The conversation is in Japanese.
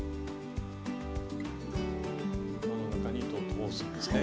輪の中に糸を通すんですね